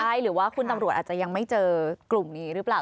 ใช่หรือว่าคุณตำรวจอาจจะยังไม่เจอกลุ่มนี้หรือเปล่า